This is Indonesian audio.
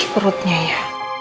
masih perih perutnya ya